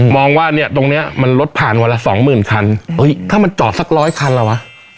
มองว่าเนี่ยมันลดผ่าน๒หมื่นคันถ้ามันจอดสัก๑๐๐คันเหรอวะ